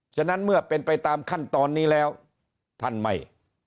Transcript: ฉะนั้นเมื่อเป็นไปตามขั้นตอนนี้แล้วท่านไม่